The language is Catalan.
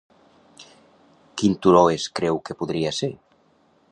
Quin turó es creu que podria ser?